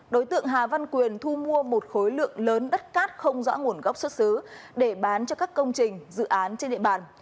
đối tượng hà văn quyền thu mua một khối lượng lớn đất cát không rõ nguồn gốc xuất xứ để bán cho các công trình dự án trên địa bàn